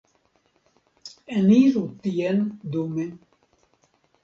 Eniru tien dume.